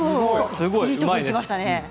いいところいきましたね。